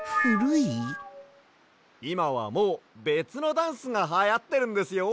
いまはもうべつのダンスがはやってるんですよ。